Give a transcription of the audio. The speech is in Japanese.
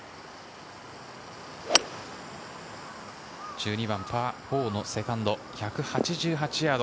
１２番、パー４のセカンド、１８８ヤード。